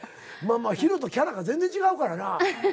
まあＨＩＲＯとキャラが全然違うからな。